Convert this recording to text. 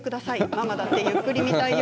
ママだってゆっくりみたいよ。